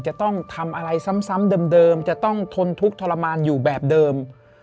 จะต้องทำอะไรซ้ำเดิมจะต้องทนทุกข์ทรมานอยู่แบบเดิม